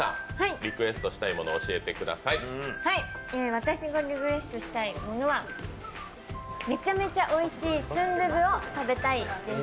私がリクエストしたいものは、めちゃめちゃおいしい、スンドゥブを食べたいです。